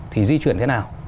thì di chuyển thế nào